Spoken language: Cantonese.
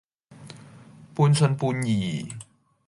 半信半疑